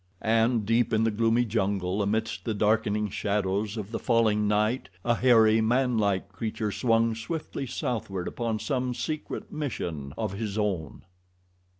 And deep in the gloomy jungle amidst the darkening shadows of the falling night a hairy, manlike creature swung swiftly southward upon some secret mission of his own.